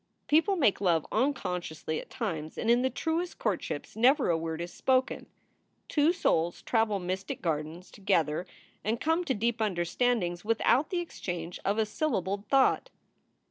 People make love unconsciously at times and in the truest courtships never a word is spoken. Two souls travel mystic gardens together and come to deep understandings without the exchange of a syllabled thought.